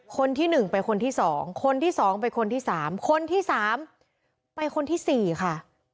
คนที่หนึ่งไปคนที่สองคนที่สองไปคนที่สามคนที่สามไปคนที่สี่ค่ะ